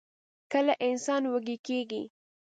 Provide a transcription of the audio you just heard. کله انسان وږۍ کيږي؟